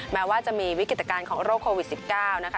แม้ว่าจะมีวิกฤตการณ์ของโรคโควิด๑๙นะคะ